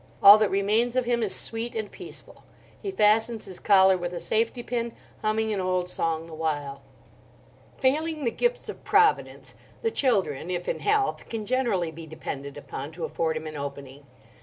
All that remains of him is sweet and peaceful. He fastens his collar with a safety pin, humming an old song the while. Failing the gifts of Providence, the children—if in health—can generally be depended upon to afford him an opening.